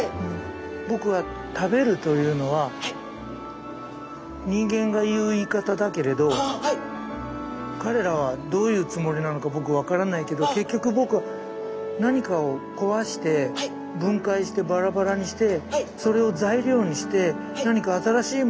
僕は食べるというのは人間が言う言い方だけれど彼らはどういうつもりなのか僕分からないけど結局僕は何かを壊して分解してバラバラにしてそれを材料にして何か新しいものをつくっているんですよね。